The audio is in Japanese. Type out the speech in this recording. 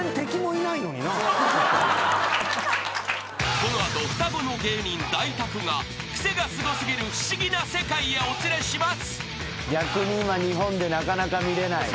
［この後双子の芸人ダイタクがクセがスゴ過ぎる不思議な世界へお連れします］